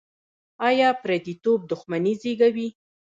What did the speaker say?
دا پرديتوب دښمني زېږوي.